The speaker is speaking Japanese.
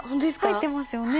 入ってますよね。